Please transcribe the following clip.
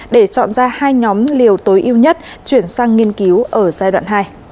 để chọn ra hai nhóm liều tối ưu nhất chuyển sang nghiên cứu ở giai đoạn hai